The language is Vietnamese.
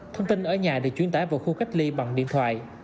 thông tin ở nhà được chuyển tải vào khu cách ly bằng điện thoại